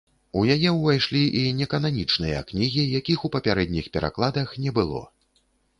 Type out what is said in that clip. У яе ўвайшлі і некананічныя кнігі, якіх у папярэдніх перакладах не было.